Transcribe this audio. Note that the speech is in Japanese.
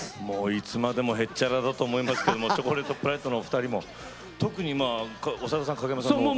いつまでもヘッチャラだと思いますけどチョコレートプラネットのお二人も、特に長田さん、好きだと。